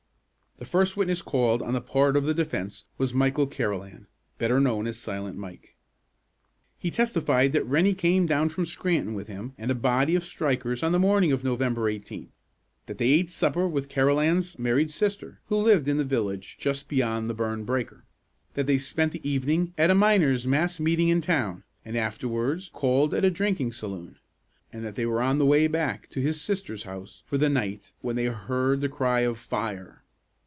The first witness called on the part of the defence was Michael Carolan, better known as "Silent Mike." He testified that Rennie came down from Scranton with him and a body of strikers on the morning of November 18; that they ate supper with Carolan's married sister, who lived in the village, just beyond the burned breaker; that they spent the evening at a miners' mass meeting in town, and afterwards called at a drinking saloon; and that they were on the way back to his sister's house, for the night, when they heard the cry of "Fire!"